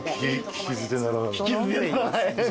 聞き捨てならない。